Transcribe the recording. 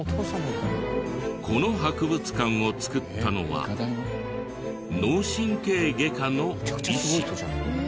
この博物館を造ったのは脳神経外科の医師。